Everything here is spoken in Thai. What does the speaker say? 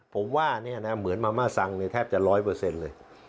ผมว่าเนี่ยนะเหมือนมาม่าซังแทบจะร้อยเปอร์เซ็นต์เลย